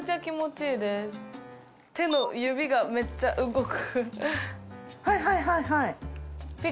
手の指がめっちゃ動く。